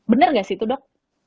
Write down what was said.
benar nggak sih itu dok